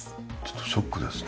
ショックですね